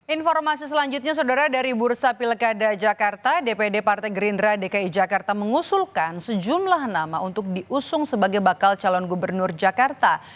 informasi selanjutnya saudara dari bursa pilkada jakarta dpd partai gerindra dki jakarta mengusulkan sejumlah nama untuk diusung sebagai bakal calon gubernur jakarta